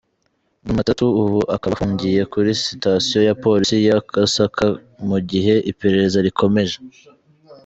Djumatatu ubu akaba afungiye kuri sitasiyo ya Polisi ya Gasaka mu gihe iperereza rikomeje.